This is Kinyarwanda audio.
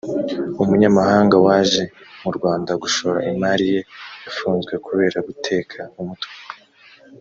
umunyamahanga waje mu rwanda gushora imari ye yafuzwe kubera guteka umutwe